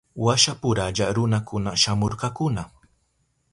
Washapuralla runakuna shamurkakuna.